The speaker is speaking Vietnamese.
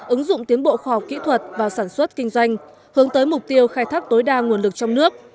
ứng dụng tiến bộ khoa học kỹ thuật vào sản xuất kinh doanh hướng tới mục tiêu khai thác tối đa nguồn lực trong nước